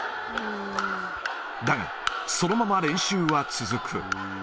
だが、そのまま練習は続く。